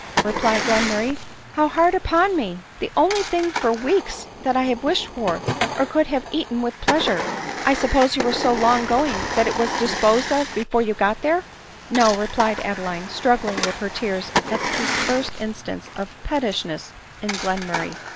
replied Glenmurray, "how hard upon me ! the only, thing for weeks that I have wished for, or could have eaten with pleasure ! I sup pose you were so long going that it wag disposed of be* fore you got there ?"" No," replied Adeline, struggling with her tears at this first instance of pettishness in Glenmurray.